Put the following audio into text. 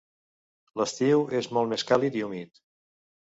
L'estiu és molt més càlid i humit.